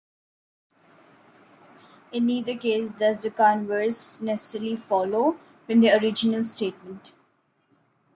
In neither case does the converse necessarily follow from the original statement.